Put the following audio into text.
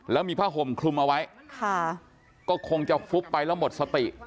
แล้วมีผ้าห่มคลุมเอาไว้ค่ะก็คงจะฟุบไปแล้วหมดสติ